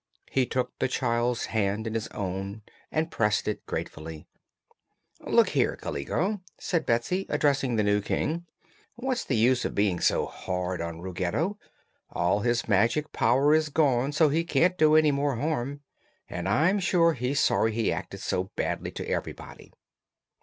He took the child's hand in his own and pressed it gratefully. "Look here, Kaliko," said Betsy, addressing the new King, "what's the use of being hard on Ruggedo? All his magic power is gone, so he can't do any more harm, and I'm sure he's sorry he acted so badly to everybody."